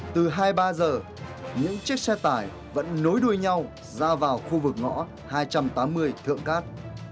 từ hai mươi ba h những chiếc xe tải vẫn nối đuôi nhau ra vào khu vực ngõ hai trăm tám mươi thượng cát